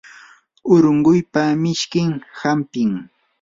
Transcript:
urunquypa mishkin hampim.